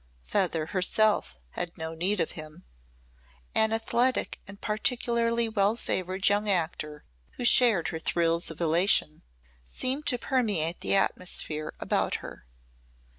Feather herself had no need of him. An athletic and particularly well favoured young actor who shared her thrills of elation seemed to permeate the atmosphere about her.